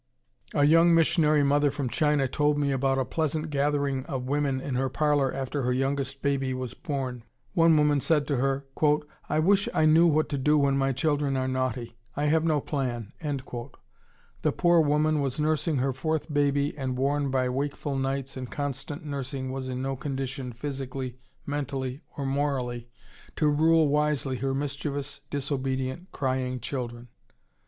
A young missionary mother from China told me about a pleasant gathering of women in her parlor after her youngest baby was born. One woman said to her, "I wish I knew what to do when my children are naughty. I have no plan." The poor woman was nursing her fourth baby, and worn by wakeful nights and constant nursing was in no condition, physically, mentally, or morally, to rule wisely her mischievous, disobedient, crying children.